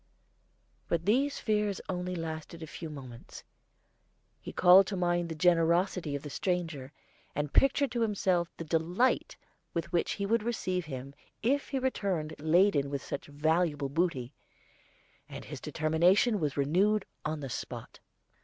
But these fears only lasted a few moments. He called to mind the generosity of the stranger, and pictured to himself the delight with which he would receive him if he returned laden with such valuable booty; and his determination was renewed on the spot.